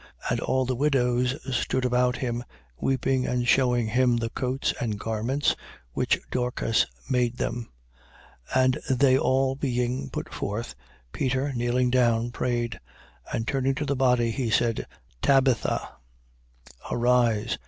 And all the widows stood about him, weeping and shewing him the coats and garments which Dorcas made them. 9:40. And they all being put forth, Peter, kneeling down, prayed. And turning to the body, he said: Tabitha, arise.